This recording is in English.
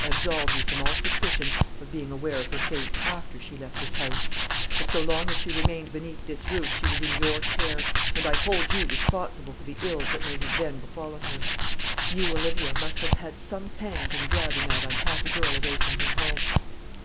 I absolve you from all suspicion of being aware of her fate after she left this house. But so long as she remained beneath this roof she was in your care, and I hold you responsible for the ills that may have then befallen her. You, Olivia, must have had some hand in driving that unhappy girl away from her home."